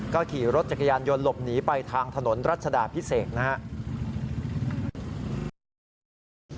ก็ขี่รถจักรยานยนต์หลบหนีไปทางถนนรัชดาพิเศษนะครับ